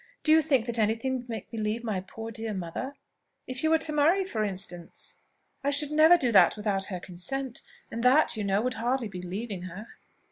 Do you think that any thing would make me leave my poor dear mother?" "If you were to marry, for instance?" "I should never do that without her consent; and that, you know, would hardly be leaving her."